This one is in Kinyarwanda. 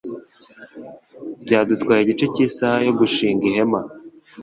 Byadutwaye igice cy'isaha yo gushinga ihema.